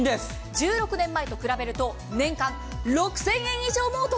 １６年前と比べると年間６０００以上もお得。